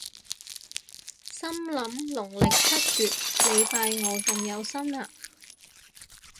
心諗農曆七月你拜我咁有心呀？